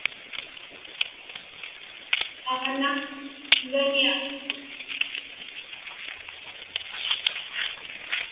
Aġnaq iganiaqtuq.